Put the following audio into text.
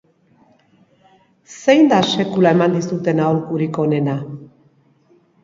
Zein da sekula eman dizuten aholkurik onena?